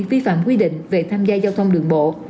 vi phạm quy định về tham gia giao thông đường bộ